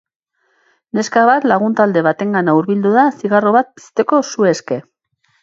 Neska bat lagun talde batengana hurbildu da zigarro bat pizteko su eske.